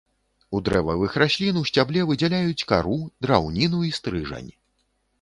У дрэвавых раслін у сцябле выдзяляюць кару, драўніну і стрыжань.